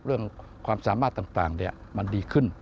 เรื่องความสามารถต่างมันดีขึ้น